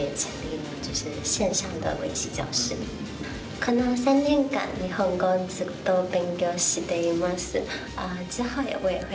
この３年間日本語をずっと勉強しています。